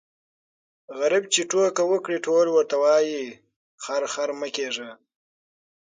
غريب چي ټوکه وکړي ټول ورته وايي خر خر مه کېږه.